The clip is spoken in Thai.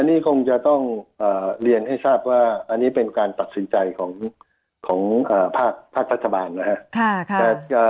อันนี้คงจะต้องเรียนให้ทราบว่าอันนี้เป็นการตัดสินใจของภาครัฐบาลนะครับ